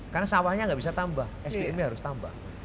karena sawahnya nggak bisa tambah sdm nya harus tambah